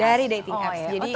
dari dating apps